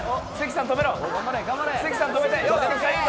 関さん止めて！